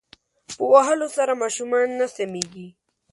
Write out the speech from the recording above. په وهلو سره ماشومان نه سمیږی